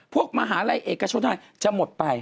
พวกมหาลัยเอกชนจะหมดไป